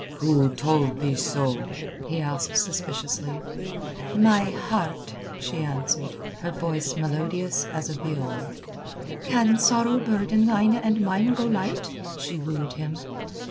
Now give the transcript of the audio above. "Who told thee so?" he asked suspiciously. "My heart," she answered, her voice melodious as a viol. "Can sorrow burden thine and mine go light?" she wooed him.